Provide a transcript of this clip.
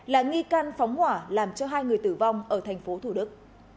là nghi can phóng hỏa làm cho hai người tử vong ở thành phố thủ đức